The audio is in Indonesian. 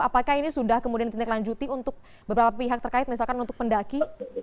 apakah ini sudah kemudian ditindaklanjuti untuk beberapa pihak terkait misalkan untuk pendaki